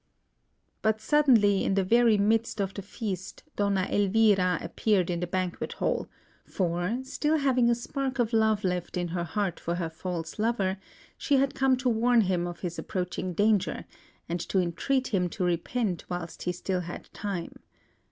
But suddenly, in the very midst of the feast, Donna Elvira appeared in the banquet hall; for, still having a spark of love left in her heart for her false lover, she had come to warn him of his approaching danger, and to entreat him to repent whilst he still had time.